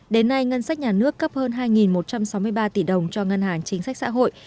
đến nay ngân sách nhà nước cấp hơn hai một trăm sáu mươi ba tỷ đồng cho ngân hàng chính sách xã hội